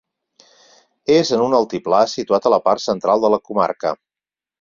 És en un altiplà situat a la part central de la comarca.